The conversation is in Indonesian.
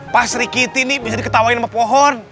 pasri kiti ini bisa diketawain sama pohon